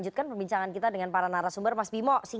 bukan pdi perjuangan namanya kalau takut bertempur